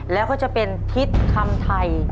แล้วก็จะเป็นทิศคำไทย